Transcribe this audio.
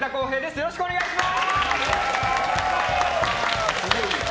よろしくお願いします。